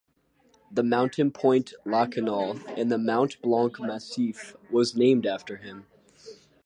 The mountain Pointe Lachenal in the Mont Blanc massif was named after him.